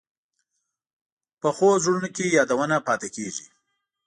پخو زړونو کې یادونه پاتې کېږي